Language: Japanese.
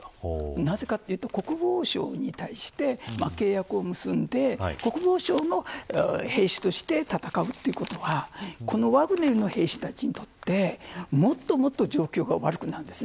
なぜかというと国防省に対して契約を結んで国防省の兵士として戦うということはワグネルの兵士たちにとってもっと状況が悪くなるんです。